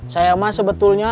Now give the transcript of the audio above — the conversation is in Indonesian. sayang mas sebetulnya